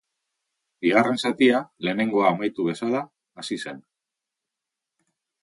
Bigarren zatia lehenengoa amaitu bezala hasi zen.